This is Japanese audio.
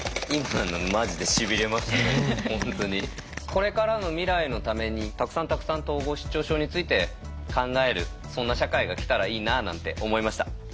これからの未来のためにたくさんたくさん統合失調症について考えるそんな社会が来たらいいななんて思いました。